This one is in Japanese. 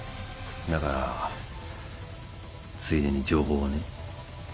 だからついでに情報をね。